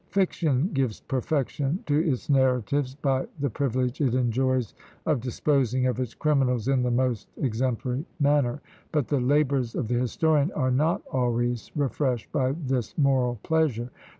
Fiction gives perfection to its narratives, by the privilege it enjoys of disposing of its criminals in the most exemplary manner; but the labours of the historian are not always refreshed by this moral pleasure.